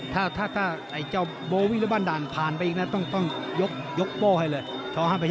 ถ้าเจ้าโบวิรุบันดาลผ่านไปอีกนะต้องยกโบให้เลย